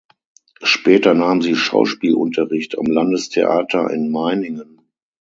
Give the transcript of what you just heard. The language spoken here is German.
Später nahm sie Schauspielunterricht am Landestheater in Meiningen.